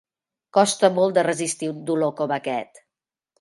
Costa molt de resistir un dolor com aquest.